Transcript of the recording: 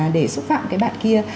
để xúc phạm cái bạn kia